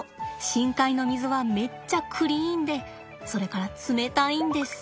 深海の水はめっちゃクリーンでそれから冷たいんです。